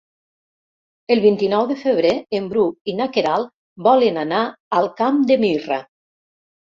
El vint-i-nou de febrer en Bru i na Queralt volen anar al Camp de Mirra.